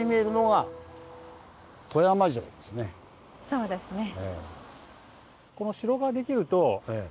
そうですね。